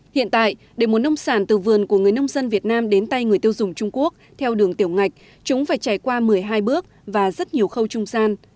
hiện tại để muốn nông sản từ vườn của người nông dân việt nam đến tay người tiêu dùng trung quốc theo đường tiểu ngạch chúng phải trải qua một mươi hai bước và rất nhiều khâu trung gian